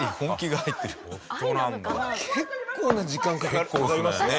結構な時間かかりますね